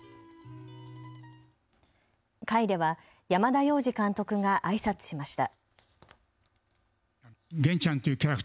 会では山田洋次監督があいさつしました。